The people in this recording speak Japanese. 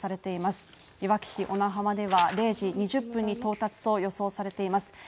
いわき市小名浜では０時２０分に到達と予想されています